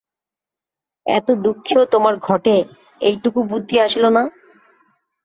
এত দুঃখেও তোমার ঘটে এইটুকু বুদ্ধি আসিল না?